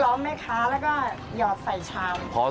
แล้วก็หยอดใส่ชาม